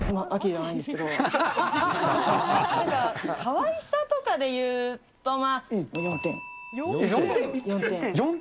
なんか、かわいさとかでいうと４４点？